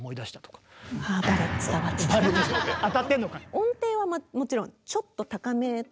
音程はもちろんちょっと高めと。